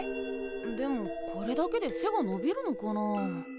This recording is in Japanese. でもこれだけで背がのびるのかなあ。